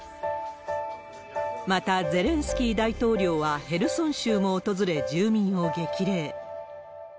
また、ゼレンスキー大統領はヘルソン州も訪れ、住民を激励。